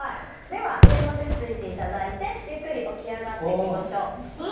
では上の手ついて頂いてゆっくり起き上がってきましょう。